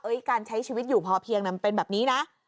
การใช้ชีวิตอยู่พอเพียงมันเป็นแบบนี้นะ